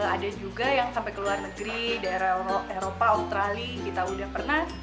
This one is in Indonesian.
ada juga yang sampai ke luar negeri daerah eropa australia kita udah pernah